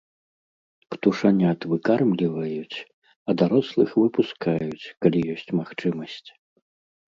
Птушанят выкармліваюць, а дарослых выпускаюць, калі ёсць магчымасць.